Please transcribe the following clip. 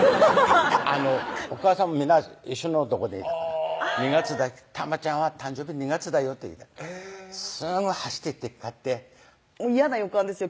おかあさんもみんな一緒のとこで「たまちゃんは誕生日２月だよ」ってすぐ走ってって買ってやな予感ですよ